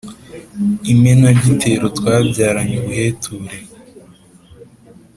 Imenagitero twabyaranye ubuheture